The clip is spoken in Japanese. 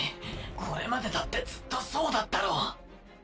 これまでだってずっとそうだったろ！